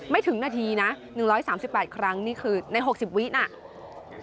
ถึงนาทีนะ๑๓๘ครั้งนี่คือใน๖๐วิน่ะ